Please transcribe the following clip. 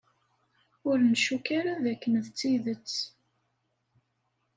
Ur ncukk ara d akken d tidet.